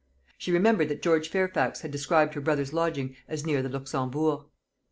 She remembered that George Fairfax had described her brother's lodging as near the Luxembourg.